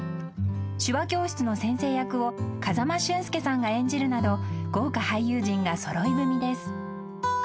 手話教室の先生役を風間俊介さんが演じるなど豪華俳優陣が揃い踏みです］